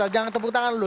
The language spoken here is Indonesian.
jangan tepuk tangan dulu